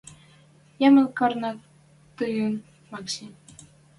Ямын корнет тӹньӹн, Макси...» —